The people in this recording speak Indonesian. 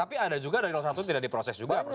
tapi ada juga yang dari satu tidak diproses juga